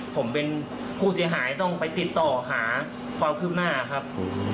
ผมเป็นผู้เสียหายต้องไปติดต่อหาความคืบหน้าครับ